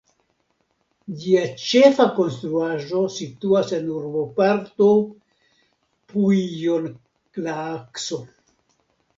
Ĝia ĉefa konstruaĵo situas en urboparto Puijonlaakso.